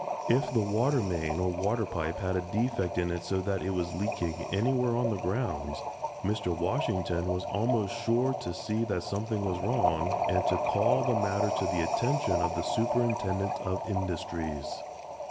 If the water main, or water pipe, had a defect in it so that it was leaking anywhere on the grounds, Mr. Washington was almost sure to see that something was wrong and to call the matter to the attention of the Superintendent of Industries.